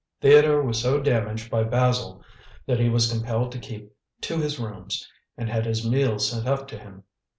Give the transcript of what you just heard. Theodore was so damaged by Basil that he was compelled to keep to his rooms, and had his meals sent up to him.